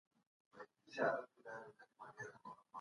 د نفوسو د زیاتوالي نرخ په چټکۍ سره بدلیږي.